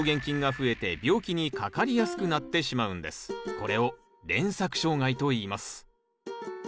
これを連作障害といいます。